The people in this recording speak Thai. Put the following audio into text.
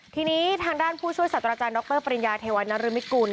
ทีนี้ทางด้านผู้ช่วยศัตรูอาจารย์ดรนรมิกุล